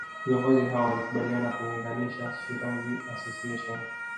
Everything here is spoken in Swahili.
Viongozi hao walikubaliana kuunganisha Shirazi Association